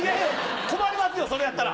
困りますよそれやったら。